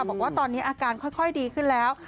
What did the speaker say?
บอกว่าตอนนี้อาการค่อยดีขึ้นแล้ว